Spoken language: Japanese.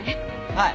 はい。